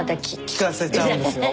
聴かせちゃうんですよ